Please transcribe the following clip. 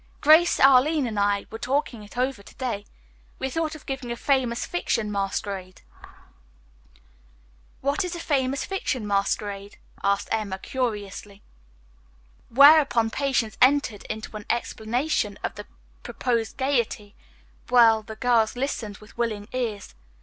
"Grace, Arline and I were talking it over to day. We thought of giving a Famous Fiction masquerade." "What is a Famous Fiction masquerade?" asked Emma curiously. Whereupon Patience entered into an explanation of the proposed gayety while the girls listened with willing ears.